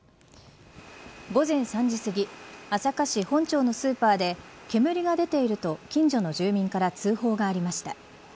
午前３時すぎ朝霞市本町のスーパーで煙が出ていると近所の住民から通報がありました。